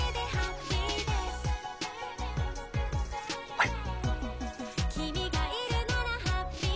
はい。